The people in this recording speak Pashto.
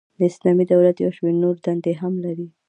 د اسلامی دولت یو شمیر نوري دندي هم لري.